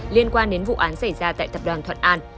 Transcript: liên quan đến vụ án xảy ra tại tập đoàn thuận an